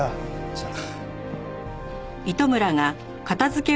じゃあ。